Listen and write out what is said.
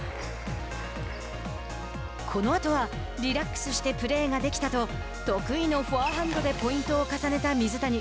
このあとは「リラックスしてプレーができた」と得意のフォアハンドでポイントを重ねた水谷。